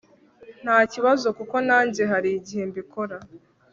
nta kibazo kuko nanjye hari igihe mbikora